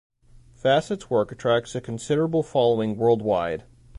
Fassett's work attracts a considerable following worldwide.